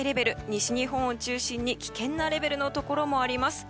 西日本を中心に危険なレベルのところもあります。